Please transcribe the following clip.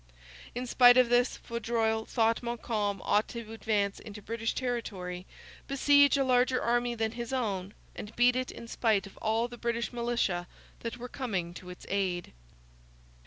In spite of this, Vaudreuil thought Montcalm ought to advance into British territory, besiege a larger army than his own, and beat it in spite of all the British militia that were coming to its aid.